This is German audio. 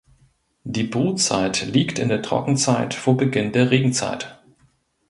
Die Brutzeit liegt in der Trockenzeit vor Beginn der Regenzeit.